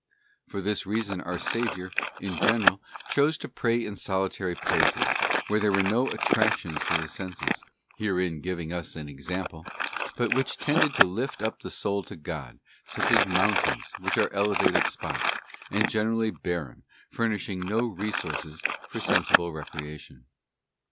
For this reason our Saviour, in general, chose to pray in solitary places, where there were no attractions for the senses — herein giving us an example — but which tended to lift up the soul to God, such as mountains, which are elevated spots, and generally barren, furnishing no re sources for sensible recreation.